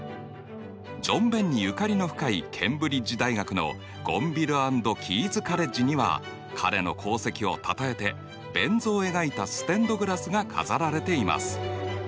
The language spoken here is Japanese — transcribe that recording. ジョン・ベンにゆかりの深いケンブリッジ大学のゴンヴィル・アンド・キーズ・カレッジには彼の功績をたたえてベン図を描いたステンドグラスが飾られています。